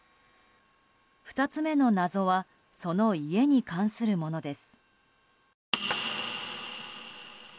２つ目の謎はその家に関するものです。